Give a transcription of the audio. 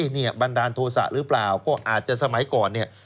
เนี่ยบันดาลโทษะหรือเปล่าก็อาจจะสมัยก่อนเนี่ย